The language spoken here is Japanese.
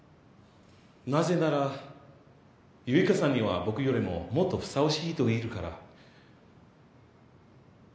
なぜなら結花さんには僕よりももっとふさわしい人がいるから。